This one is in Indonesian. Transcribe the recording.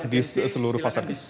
di seluruh fasankes